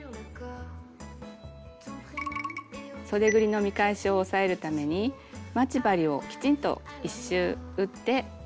そでぐりの見返しを押さえるために待ち針をきちんと一周打って縫って下さい。